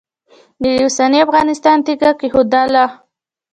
د اوسني افغانستان تیږه کښېښودله.